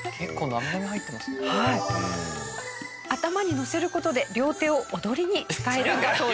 頭にのせる事で両手を踊りに使えるんだそうです。